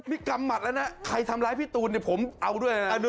มีกรรมหมัดแล้วนะใครทำร้ายพี่ตูนผมเอาด้วยนะ